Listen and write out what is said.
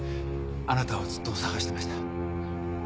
あなたをずっと捜してました。